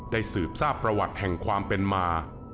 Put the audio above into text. สืบทราบประวัติแห่งความเป็นมา